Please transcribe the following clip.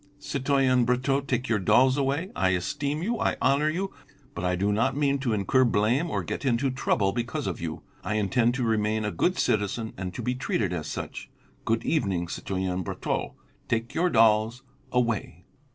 "Citoyen Brotteaux, take your dolls away. I esteem you, I honour you, but I do not mean to incur blame or get into trouble because of you. I intend to remain a good citizen and to be treated as such. Good evening, citoyen Brotteaux; take your dolls away."